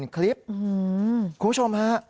๕๐๐๐๐คลิปคุณผู้ชมฮะ